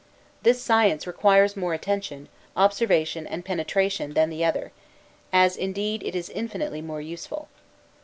This science requires more attention, observation, and penetration, than the other; as indeed it is infinitely more useful.